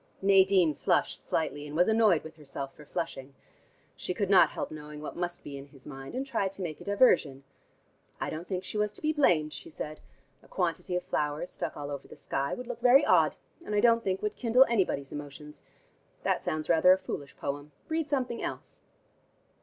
Nadine flushed slightly, and was annoyed with herself for flushing. She could not help knowing what must be in his mind, and tried to make a diversion. "I don't think she was to be blamed," she said. "A quantity of flowers stuck all over the sky would look very odd, and I don't think would kindle anybody's emotions. That sounds rather a foolish poem. Read something else."